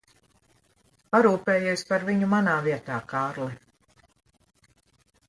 Parūpējies par viņu manā vietā, Kārli.